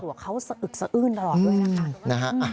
ว่าเขาสะอึกสะอื้นตลอดด้วยนะคะ